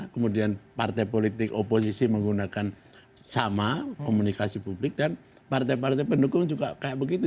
kemudian partai politik oposisi menggunakan sama komunikasi publik dan partai partai pendukung juga kayak begitu